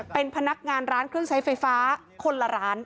เป็นพนักงานร้านเครื่องใช้ไฟฟ้าคนละร้าน